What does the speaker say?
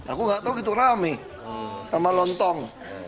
aku gak tau gitu rame sama lontong